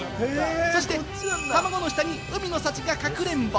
そして、たまごの下に海の幸がかくれんぼ。